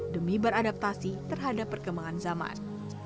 demi beradaptasi terhadap perkembangan zaman